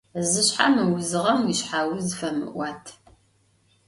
Zışshe mıuzığem vuişsheuz femı'uat.